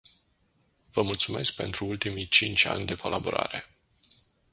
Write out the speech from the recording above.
Vă mulțumesc pentru ultimii cinci ani de colaborare.